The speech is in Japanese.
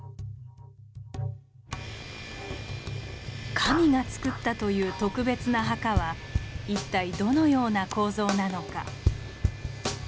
神がつくったという特別な墓は一体どのような構造なのか。